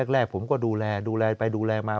แรกผมก็ดูแลดูแลไปดูแลมา